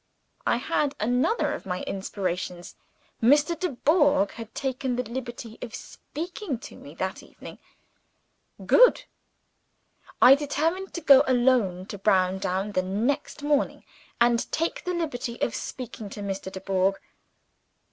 I had another of my inspirations. Mr. Dubourg had taken the liberty of speaking to me that evening. Good. I determined to go alone to Browndown the next morning, and take the liberty of speaking to Mr. Dubourg.